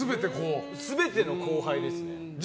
全ての後輩ですね。